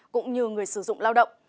cũng như người sử dụng lao động